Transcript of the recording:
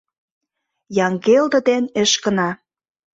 Яҥгелде ден Эшкына.